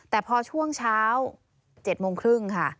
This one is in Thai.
แต่พอช่วงเช้า๗๓๐น